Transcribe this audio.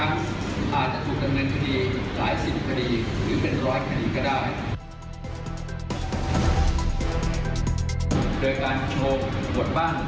ในขณะนี้ขอเรียนว่า